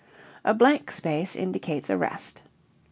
A blank space indicates a rest.